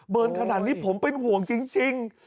เบิร์นขนาดนี้ผมเป็นห่วงจริง